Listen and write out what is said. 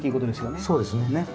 そうですね。